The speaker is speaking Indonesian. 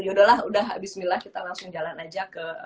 yaudahlah udah bismillah kita langsung jalan aja ke